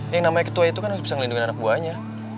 yang namanya ketua itu kan harus bisa melindungi anak buahnya